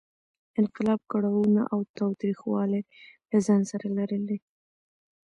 انقلاب کړاوونه او تاوتریخوالی له ځان سره لرلې.